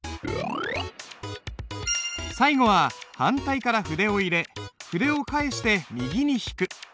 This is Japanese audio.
最後は反対から筆を入れ筆を返して右に引く。